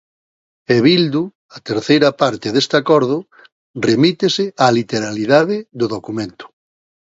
E Bildu, a terceira parte deste acordo, remítese á literalidade do documento.